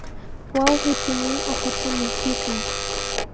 Wawqiimi uqata mikuykan.